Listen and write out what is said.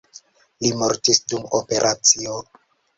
Li mortis dum operacio.